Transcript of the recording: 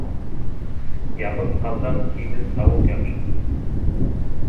Ябыҡ ҡаҙҙан һимеҙ тауыҡ яҡшы.